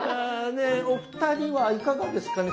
お二人はいかがですかね？